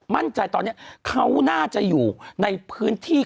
มั่นใจตอนนี้เขาน่าจะอยู่ในพื้นที่